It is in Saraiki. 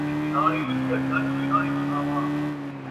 آپݨی وِہاݨی یا جگ وِہاݨی سُݨاواں